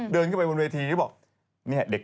เดินขึ้นไปบนเวทีก็บอก